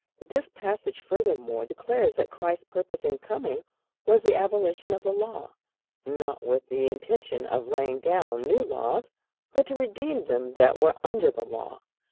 This passage furthermore declares that Christ's purpose in coming was the abolition of the Law, not with the intention of laying down new laws, but "to redeem them that were under the law."